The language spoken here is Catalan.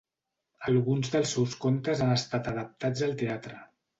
Alguns dels seus contes han estat adaptats al teatre.